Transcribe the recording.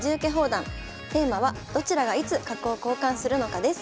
テーマは「どちらがいつ角を交換するのか」です。